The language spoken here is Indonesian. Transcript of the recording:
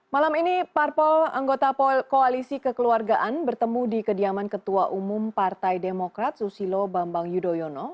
malam ini parpol anggota koalisi kekeluargaan bertemu di kediaman ketua umum partai demokrat susilo bambang yudhoyono